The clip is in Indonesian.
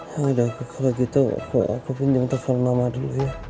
ya udah kalau gitu aku pinjem telepon mama dulu ya